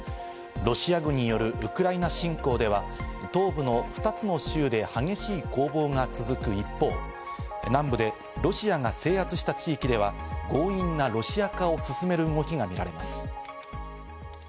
ロシア軍によるウクライナ侵攻では東部の２つの州で激しい攻防が続く一方、南部でロシアが制圧した地域では強引なロシア化を進める動きがみられます。